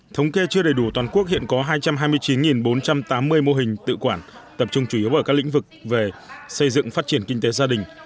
thống kê chưa đầy đủ toàn quốc hiện có hai trăm hai mươi chín bốn trăm tám mươi mô hình tự quản tập trung chủ yếu ở các lĩnh vực về xây dựng phát triển kinh tế gia đình